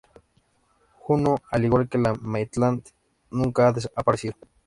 Juno, al igual que los Maitland, nunca ha aparecido.